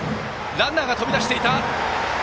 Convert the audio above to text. ランナーが飛び出していた！